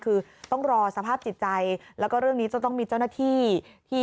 คือต้องรอสภาพจิตใจแล้วก็เรื่องนี้จะต้องมีเจ้าหน้าที่ที่